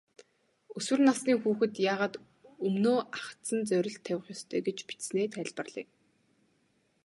Өсвөр насны хүүхэд яагаад өмнөө ахадсан зорилт тавих ёстой гэж бичсэнээ тайлбарлая.